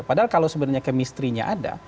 padahal kalau sebenarnya kemistrinya ada